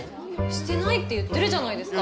してないって言ってるじゃないですか。